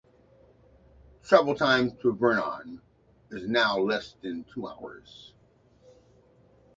Travel time to Vernon is now less than two hours.